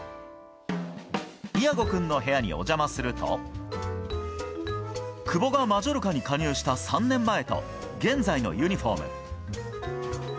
イアゴ君の部屋にお邪魔すると久保がマジョルカに加入した３年前と現在のユニホーム。